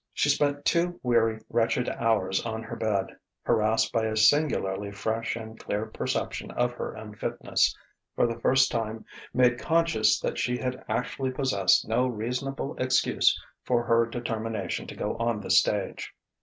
She spent two weary, wretched hours on her bed, harassed by a singularly fresh and clear perception of her unfitness, for the first time made conscious that she had actually possessed no reasonable excuse for her determination to go on the stage.